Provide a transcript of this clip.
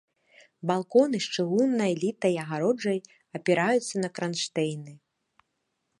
Балконы з чыгуннай літай агароджай апіраюцца на кранштэйны.